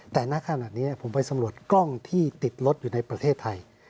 แต่ณขณะนี้ผมไปสำรวจกล้องที่ติดรถอยู่ในประเทศไทย